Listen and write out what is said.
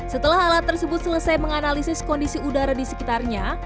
setelah alat tersebut selesai menganalisis kondisi udara di sekitarnya